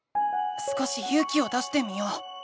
少しゆう気を出してみよう。